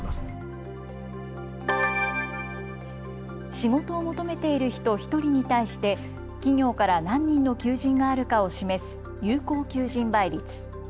仕事を求めている人１人に対して企業から何人の求人があるかを示す有効求人倍率。